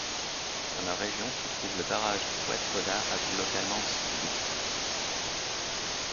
Dans la région se trouve le barrage de Oued Fodda appelé localement Steeg.